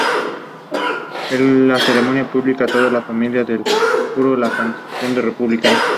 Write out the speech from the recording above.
Recientemente dejó el Ajax, ya que sufría de lesiones que arrastraba hacía meses.